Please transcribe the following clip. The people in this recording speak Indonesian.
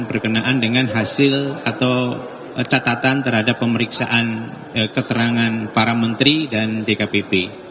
berkenaan dengan hasil atau catatan terhadap pemeriksaan keterangan para menteri dan dkpp